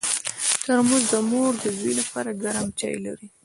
ترموز د مور د زوی لپاره ګرم چای لري.